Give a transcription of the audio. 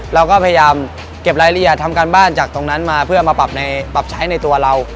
เราก็พยายามเก็บรายละเอียดทำการบ้านจากตรงนั้นมาเพื่อมาปรับใช้ในตัวเรา